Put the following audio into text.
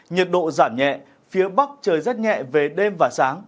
nhiệt độ giảm nhẹ phía bắc trời rét nhẹ về đêm và sáng